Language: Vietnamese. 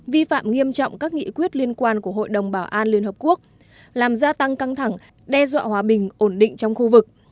vi phạm nghiêm trọng các nghị quyết liên quan của hội đồng bảo an liên hợp quốc làm gia tăng căng thẳng đe dọa hòa bình ổn định trong khu vực